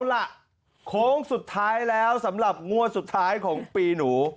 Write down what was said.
เอาล่ะโค้งสุดท้ายแล้วสำหรับงวดสุดท้ายของปีหนู